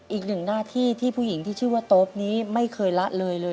อีกหนึ่งหน้าที่ที่ผู้หญิงที่ชื่อว่าโต๊ปนี้ไม่เคยละเลยเลย